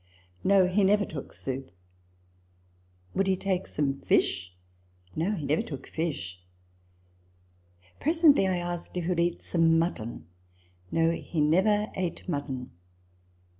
" No ; he never took soup." Would he take some fish ?" No ; he never took fish." Presently I asked if he would eat some mutton ?" No ; he never ate mutton."